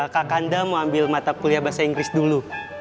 kakanda mau ambil mata kuliah bahasa inggris dulu